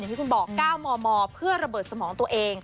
ที่คุณบอก๙มมเพื่อระเบิดสมองตัวเอง